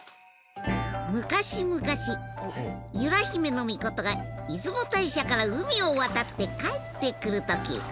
昔むかし由良比女命が出雲大社から海を渡って帰ってくるとき。